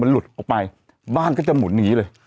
หลุดออกไปบ้านก็จะหมุนหนีเลย